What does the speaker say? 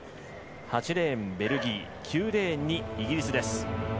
８レーン、ベルギー９レーンにイギリスです。